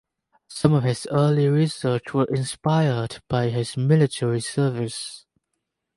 Some of his early research was inspired by his military service.